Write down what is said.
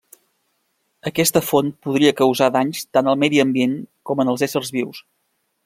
Aquesta font podria causar danys tant al medi ambient com en els éssers vius.